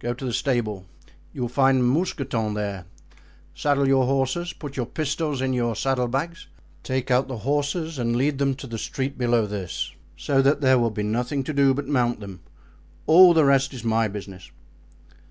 "Go to the stable; you will find Mousqueton there; saddle your horses, put your pistols in your saddle bags, take out the horses and lead them to the street below this, so that there will be nothing to do but mount them; all the rest is my business."